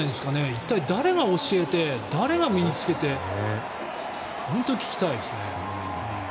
一体、誰が教えて誰が身に着けて本当に聞きたいですね。